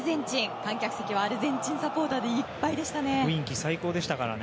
観客席はアルゼンチンサポーターでいっぱいでしたね。